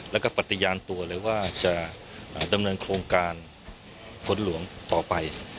แล้วก็ปฏิญาณตัวเลยว่าจะดำเนินโครงการฝนหลวงต่อไป